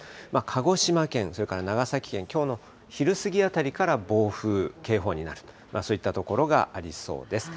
鹿児島県、それから長崎県、きょうの昼過ぎあたりから暴風警報になる、そういった所がありそうです。